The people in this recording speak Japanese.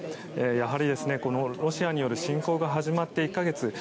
やはり、このロシアによる侵攻が始まって１か月。